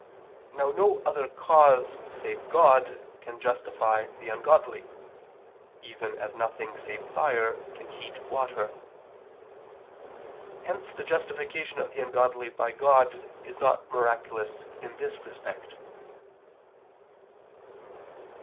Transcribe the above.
Now no other cause save God can justify the ungodly, even as nothing save fire can heat water. Hence the justification of the ungodly by God is not miraculous in this respect.